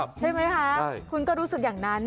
ใช่ไหมคะคุณก็รู้สึกอย่างนั้น